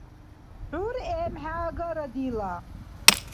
ГӀур эмхӀе агара дила.